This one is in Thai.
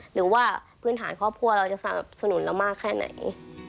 หรือว่าพื้นฐานครอบครัวเราจะสนับสนุนเรามากแค่ไหน